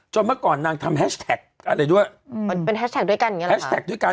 จนเมื่อก่อนนางทำอะไรด้วยแฮสแท็กซ์ด้วยกันแหละ